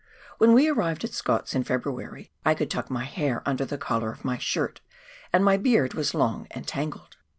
When we arrived at Scott's in February, I could tuck my hair under the collar of my shirt, and my beard was long and tangled